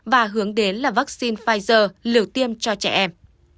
và hướng đến là vaccine pfizer lửa tiêm cho trẻ em